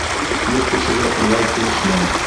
Ир кешегә илау килешмәй.